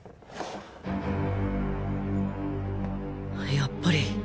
やっぱり。